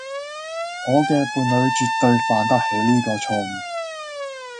我嘅伴侶絕對犯得起呢個錯誤